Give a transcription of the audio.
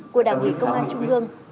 của đảng ủy công an trung ương